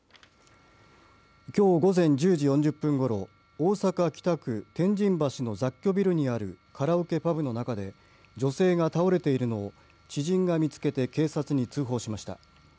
きょう午前１０時４０分ごろ大阪、北区天神橋の雑居ビルにあるカラオケパブの中で女性が倒れているのを知人が見つけて警察に通報しました。